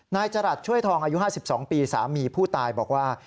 นายจรัสช่วยทองอายุ๕๒ปีสามีผู้ตายบอกว่า